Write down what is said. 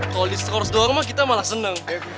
kalau di skors doang kita malah seneng